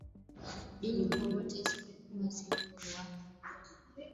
dini kwa wote isipokuwa si uhuru wa